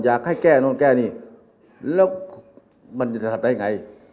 อยากให้แก้โน่นแก้นี่แล้วมันจะทำได้ไง